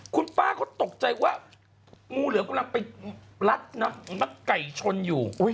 คุณป้าเขาตกใจว่ามูเหลืองกำลังไปรัดไก่ชนอยู่